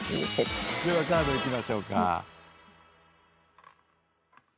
ではカードいきましょうか。